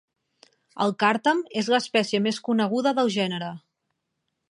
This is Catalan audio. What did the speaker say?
El càrtam és l'espècie més coneguda del gènere.